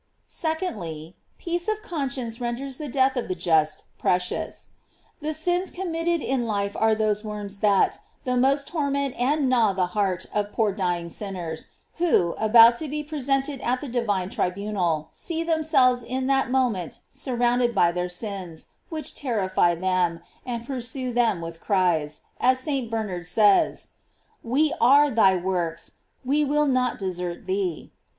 Secondly, peace of conscience renders the death of the just precious. The sins committed in life are those worms that the most torment and gnaw the heart of poor dying sinners, who, about to be presented at the divine tribunal, see themselves at that moment surrounded by their sins, which terrify them, and pursue them with cries, as St Bernard says: "We are thy works, we will not desert thee."